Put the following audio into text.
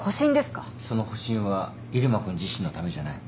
その保身は入間君自身のためじゃない。